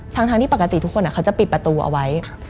ทั้งที่ปกติทุกคนเขาจะปิดประตูเอาไว้